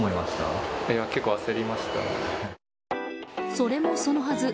それもそのはず。